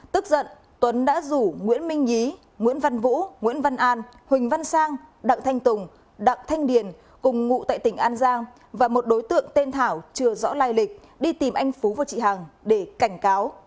tức giận tuấn đã rủ nguyễn minh nhí nguyễn văn vũ nguyễn văn an huỳnh văn sang đặng thanh tùng đặng thanh điền cùng ngụ tại tỉnh an giang và một đối tượng tên thảo chưa rõ lai lịch đi tìm anh phú và chị hằng để cảnh cáo